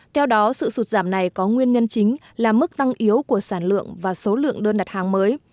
theo đó sự sụt giảm này có nguyên nhân chính là mức tăng yếu của sản lượng và số lượng đơn đặt hàng mới